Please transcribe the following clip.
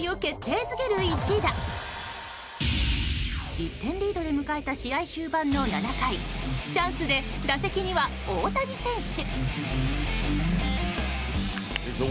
１点リードで迎えた試合終盤の７回チャンスで打席には大谷選手。